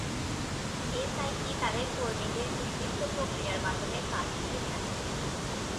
এই সাইটটি তাদের কর্মীদের নির্দিষ্ট প্রক্রিয়ার মাধ্যমে কাজ দিয়ে থাকে।